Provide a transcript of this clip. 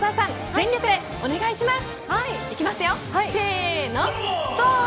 全力でお願いします。